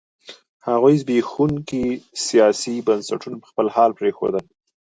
هغوی زبېښونکي سیاسي بنسټونه په خپل حال پرېښودل.